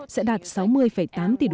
sẽ đạt sáu mươi tám tỷ đô